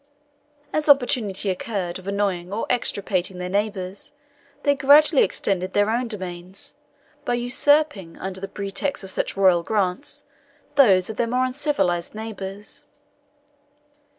As opportunity occurred of annoying or extirpating their neighbours, they gradually extended their own domains, by usurping, under the pretext of such royal grants, those of their more uncivilised neighbours.